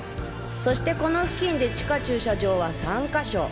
そしてこの付近で地下駐車場は３か所。